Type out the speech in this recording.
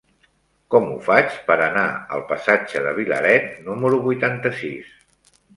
Com ho faig per anar al passatge de Vilaret número vuitanta-sis?